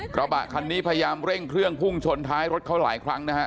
กระบะคันนี้พยายามเร่งเครื่องพุ่งชนท้ายรถเขาหลายครั้งนะฮะ